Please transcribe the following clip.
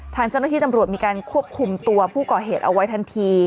ทางเจ้าหน้าที่ตำรวจมีการควบคุมตัวผู้ก่อเหตุเอาไว้ทันที